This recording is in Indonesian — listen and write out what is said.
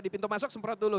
di pintu masuk semprot dulu